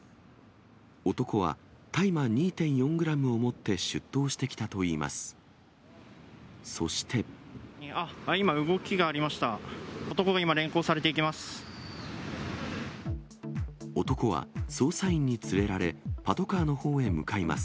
男は大麻２．４グラムを持って出頭してきたといいます。